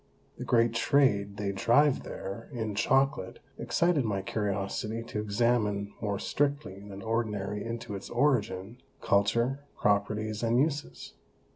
The great Trade they drive there in Chocolate, excited my Curiosity to examine more strictly than ordinary into its Origin, Culture, Properties, and Uses.